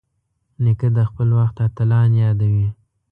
نیکه د خپل وخت اتلان یادوي.